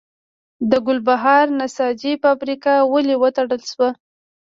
د ګلبهار نساجي فابریکه ولې وتړل شوه؟